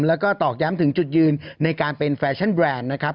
แล้วก็ตอกย้ำถึงจุดยืนในการเป็นแฟชั่นแบรนด์นะครับ